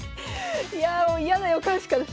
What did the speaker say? いやあもう嫌な予感しかしない。